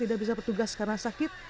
tidak bisa petugas karena sakit